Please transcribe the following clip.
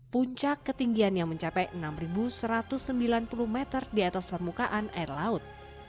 puncak ketinggian yang mencapai enam satu ratus sembilan puluh meter di atas permukaan air laut